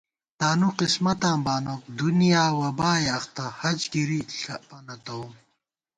تانُو قسمتاں بانوک ، دُنیا وبائے اختہ ، حج گِرِی ݪپہ نہ تَوُم